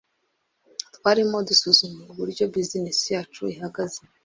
twarimo dusuzuma uburyo busness yacu ihagaze